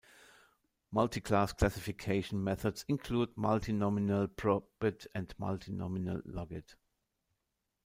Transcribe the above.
Multiclass classification methods include multinomial probit and multinomial logit.